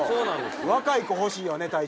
若い子欲しいよね隊長ね。